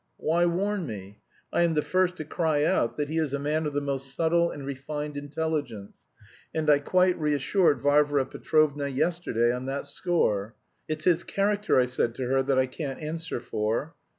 "Why warn me? I am the first to cry out that he is a man of the most subtle and refined intelligence, and I quite reassured Varvara Petrovna yesterday on that score. 'It's his character,' I said to her, 'that I can't answer for.'